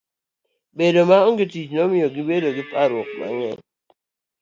Bedo maonge tich ne miyo gibedo gi parruok mang'eny.